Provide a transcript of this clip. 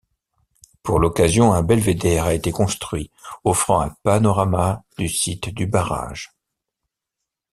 Pour l'occasion, un belvédère a été construit, offrant un panorama du site du barrage.